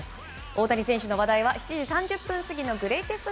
大谷選手の話題は７時３０分過ぎのグレイテスト